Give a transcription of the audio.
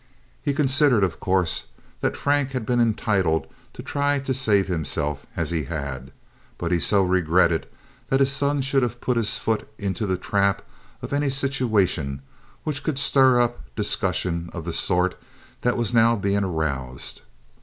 He considered, of course, that Frank had been entitled to try to save himself as he had; but he so regretted that his son should have put his foot into the trap of any situation which could stir up discussion of the sort that was now being aroused.